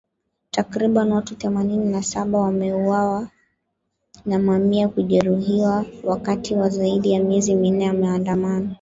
Takribani watu themanini na saba wameuawa na mamia kujeruhiwa wakati wa zaidi ya miezi minne ya maandamano